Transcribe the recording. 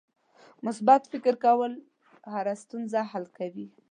مثبت فکر کول هره ستونزه حل کوي.